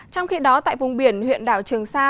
trong khi đó tại vùng biển huyện đảo trường sa